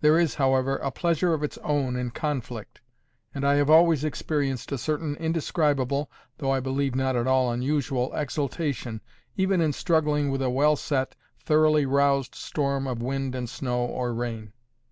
There is, however, a pleasure of its own in conflict; and I have always experienced a certain indescribable, though I believe not at all unusual exaltation, even in struggling with a well set, thoroughly roused storm of wind and snow or rain.